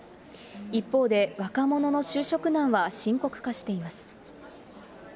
一方で、若者の就職難は深刻化しています。